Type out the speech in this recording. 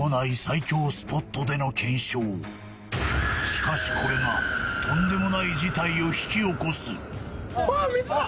しかしこれがとんでもない事態を引き起こすあっ水が！